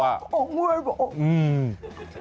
เอาเงื่อยบอก